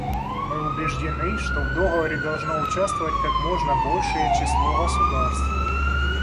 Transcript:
Мы убеждены, что в договоре должно участвовать как можно большее число государств.